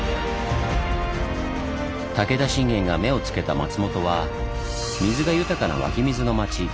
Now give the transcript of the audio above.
武田信玄が目をつけた松本は水が豊かな湧き水の町。